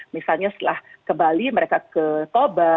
misalnya setelah ke bali mereka ke toba